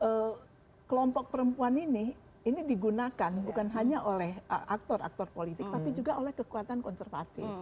jadi kelompok perempuan ini ini digunakan bukan hanya oleh aktor aktor politik tapi juga oleh kekuatan konservatif